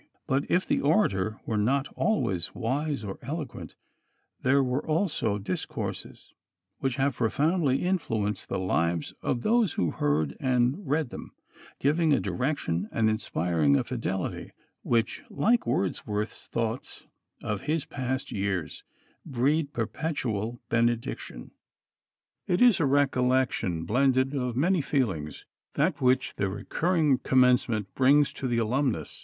But if the orator was not always wise or eloquent, there were also discourses which have profoundly influenced the lives of those who heard or read them, giving a direction and inspiring a fidelity which, like Wordsworth's thoughts of his past years, breed perpetual benediction. It is a recollection blended of many feelings, that which the recurring Commencement brings to the alumnus.